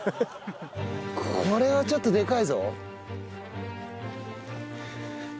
これはちょっとでかいぞ。